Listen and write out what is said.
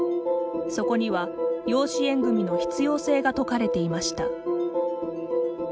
そこには、養子縁組の必要性が説かれていました。